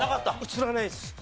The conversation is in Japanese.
映らないです。